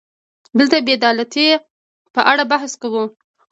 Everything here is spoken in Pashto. دلته د بې عدالتۍ په اړه بحث کوو.